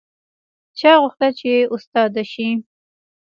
چا غوښتل چې استاده شي